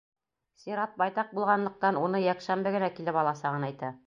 Сират байтаҡ булғанлыҡтан, уны йәкшәмбе генә килеп аласағын әйтә.